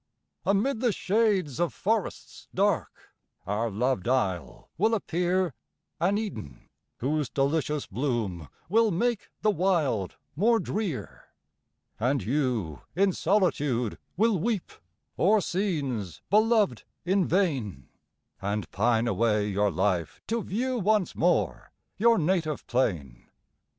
Amid the shades of forests dark, Our loved isle will appear An Eden, whose delicious bloom Will make the wild more drear. And you in solitude will weep O'er scenes beloved in vain, And pine away your life to view Once more your native plain.